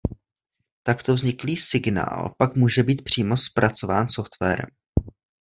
Takto vzniklý signál pak může být přímo zpracován softwarem.